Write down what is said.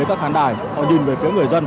rất thân thiện